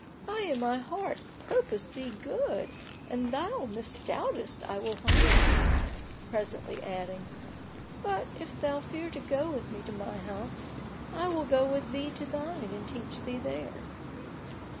I in my heart purpose thee good and thou misdoubtest I will harm thee!" presently adding, "But, if thou fear to go with me to my house, I will go with thee to thine and teach thee there."